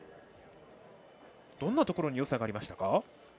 どんなところによさがありましたか。